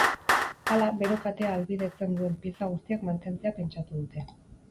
Hala, bero katea ahalbidetzen duen pieza guztiak mantentzea pentsatu dute.